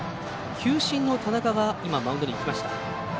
球審の田中がマウンドに行きました。